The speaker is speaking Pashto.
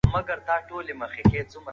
که ته کوشش وکړې نو هر څه زده کولای سې.